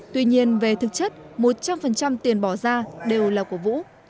tuy nhiên về thực chất một trăm linh tiền bỏ ra đều là của vũ